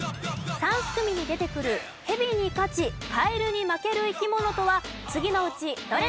三すくみに出てくるヘビに勝ちカエルに負ける生き物とは次のうちどれでしょう？